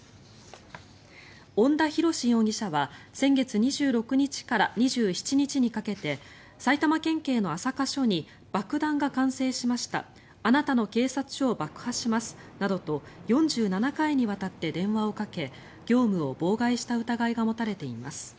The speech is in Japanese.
恩田博司容疑者は先月２６日から２７日にかけて埼玉県警の朝霞署に爆弾が完成しましたあなたの警察署を爆破しますなどと４７回にわたって電話をかけ業務を妨害した疑いが持たれています。